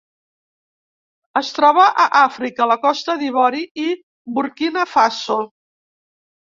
Es troba a Àfrica: la Costa d'Ivori i Burkina Faso.